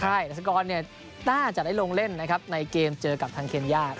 ใช่ดัชกรน่าจะได้ลงเล่นนะครับในเกมเจอกับทางเคนย่า